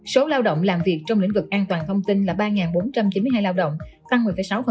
số lao động làm việc trong lĩnh vực an toàn thông tin là ba bốn trăm chín mươi hai lao động tăng một mươi sáu